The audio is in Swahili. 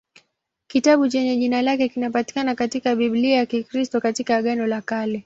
Kitabu chenye jina lake kinapatikana katika Biblia ya Kikristo katika Agano la Kale.